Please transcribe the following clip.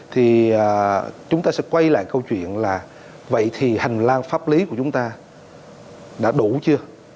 thì chúng ta sẽ quay lại câu chuyện là vậy thì hành lang pháp lý của chúng ta đã đủ chưa